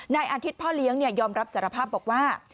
นายอาทิตย์พ่อเลี้ยงยอมรับสารภาพบอกว่า